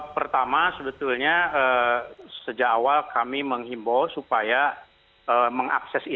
pertama sebetulnya sejak awal kami menghimbau supaya mengakses ini